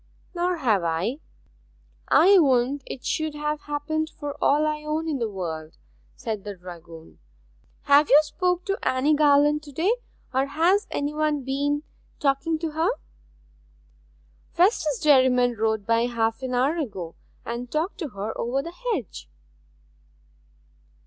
'Nor have I. I wouldn't it should have happened for all I own in the world,' said the dragoon. 'Have you spoke to Anne Garland to day or has anybody been talking to her?' 'Festus Derriman rode by half an hour ago, and talked to her over the hedge.'